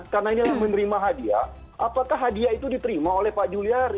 karena ini yang menerima hadiah apakah hadiah itu diterima oleh pak juliari